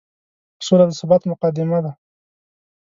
سوله د ثبات مقدمه ده.